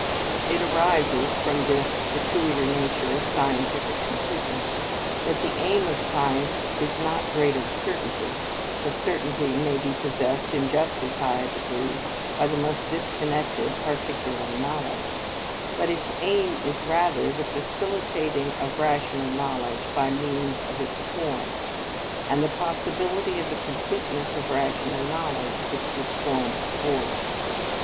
It arises from this peculiar nature of scientific completeness, that the aim of science is not greater certainty—for certainty may be possessed in just as high a degree by the most disconnected particular knowledge—but its aim is rather the facilitating of rational knowledge by means of its form, and the possibility of the completeness of rational knowledge which this form affords.